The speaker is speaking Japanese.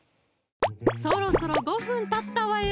そろそろ５分たったわよ